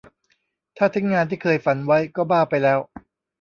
ถ้าทิ้งงานที่เคยฝันไว้ก็บ้าไปแล้ว